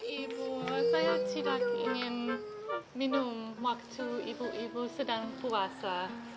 ibu saya tidak ingin minum waktu ibu ibu sedang puasa